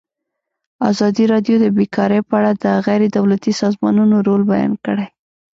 ازادي راډیو د بیکاري په اړه د غیر دولتي سازمانونو رول بیان کړی.